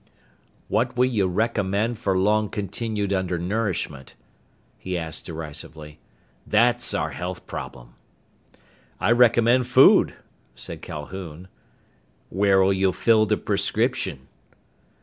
"What will you recommend for long continued undernourishment?" he asked derisively. "That's our health problem!" "I recommend food," said Calhoun. "Where'll you fill the prescription?"